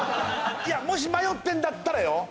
いやもし迷ってんだったらよ